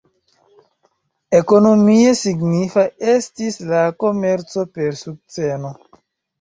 Ekonomie signifa estis la komerco per sukceno.